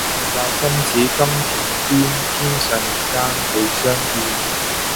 但教心似金鈿堅，天上人間會相見。